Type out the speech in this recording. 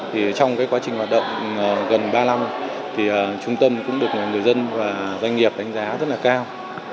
trong quá trình hoạt động gần ba năm trung tâm cũng được người dân và doanh nghiệp đánh giá rất cao